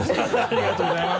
ありがとうございます。